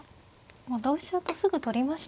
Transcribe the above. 同飛車とすぐ取りましたね。